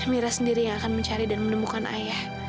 mira sendiri yang akan mencari dan menemukan ayah